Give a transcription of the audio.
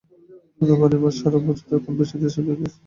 লোনা পানির মাছ সারা বছরই কমবেশি দেশের বিভিন্ন স্থানে পাঠানো হয়।